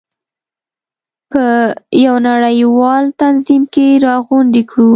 په یو نړیوال تنظیم کې راغونډې کړو.